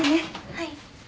はい。